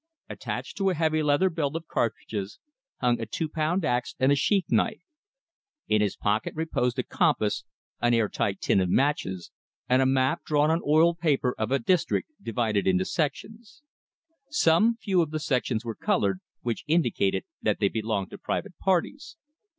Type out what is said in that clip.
Attached to a heavy leather belt of cartridges hung a two pound ax and a sheath knife. In his pocket reposed a compass, an air tight tin of matches, and a map drawn on oiled paper of a district divided into sections. Some few of the sections were colored, which indicated that they belonged to private parties.